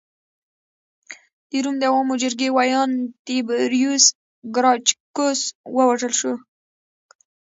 د روم د عوامو جرګې ویاند تیبریوس ګراکچوس ووژل شو